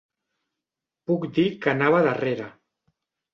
Puc dir que anava darrere.